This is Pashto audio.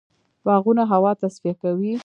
باغونه هوا تصفیه کوي.